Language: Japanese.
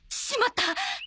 ししまった。